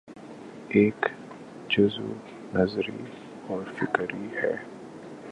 ایک جزو نظری اور فکری ہے۔